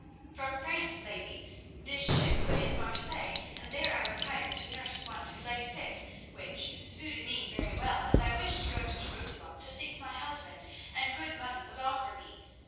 "From France, lady. This ship put in at Marseilles, and there I was hired to nurse one who lay sick, which suited me very well, as I wished to go to Jerusalem to seek my husband, and good money was offered me.